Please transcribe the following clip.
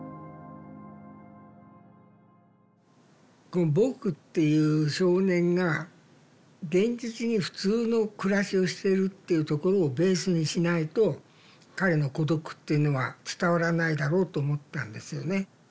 この「ぼく」っていう少年が現実に普通の暮らしをしてるっていうところをベースにしないと彼の孤独っていうのは伝わらないだろうと思ったんですよね。